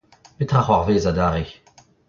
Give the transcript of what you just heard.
Petra ’c’hoarvez adarre ?